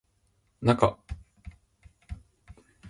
なか